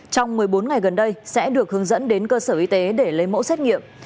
trong một mươi bốn ngày gần đây sẽ được hướng dẫn đến cơ sở y tế để lấy mẫu xét nghiệm